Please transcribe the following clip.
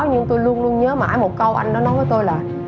nhưng tôi luôn luôn nhớ mãi một câu anh nó nói với tôi là